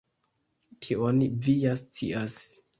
Tion vi ja scias.